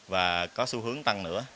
và có xu hướng tăng nữa